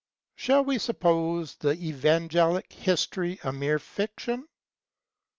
Shall we suppose the evangelic history a mere fiction ?